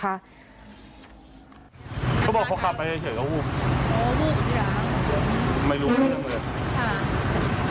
เขาบอกเขากลับไปให้ฉีดยาวูบไม่รู้เรื่องเลย